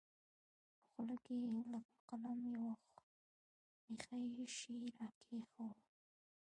په خوله کښې يې لکه قلم يو ښيښه يي شى راکښېښوو.